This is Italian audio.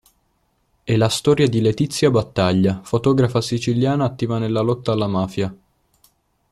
È la storia di Letizia Battaglia, fotografa siciliana attiva nella lotta alla mafia.